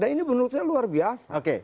dan ini menurut saya luar biasa